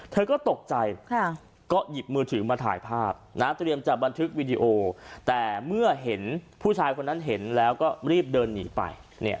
เธอก็ตกใจก็หยิบมือถือมาถ่ายภาพนะเตรียมจะบันทึกวิดีโอแต่เมื่อเห็นผู้ชายคนนั้นเห็นแล้วก็รีบเดินหนีไป